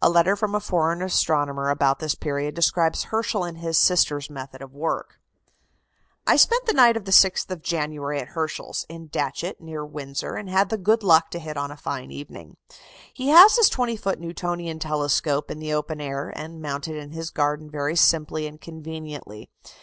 A letter from a foreign astronomer about this period describes Herschel and his sister's method of work: "I spent the night of the 6th of January at Herschel's, in Datchet, near Windsor, and had the good luck to hit on a fine evening. He has his 20 foot Newtonian telescope in the open air, and mounted in his garden very simply and conveniently.